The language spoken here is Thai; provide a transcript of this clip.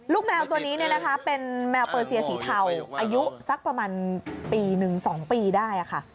ลูกแมวตัวนี้เนี้ยนะคะเป็นแมวเผอเซียสีเทาอายุสักประมาณปีหนึ่งสองปีได้อ่ะค่ะ